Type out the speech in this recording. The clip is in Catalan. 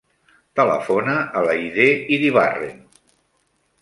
Telefona a l'Aidé Iribarren.